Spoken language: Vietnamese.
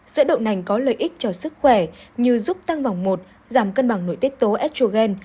sữa đậu nành có lợi ích cho sức khỏe như giúp tăng vòng một giảm cân bằng nội tích tố estrogen